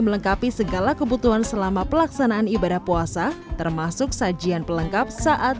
melengkapi segala kebutuhan selama pelaksanaan ibadah puasa termasuk sajian pelengkap saat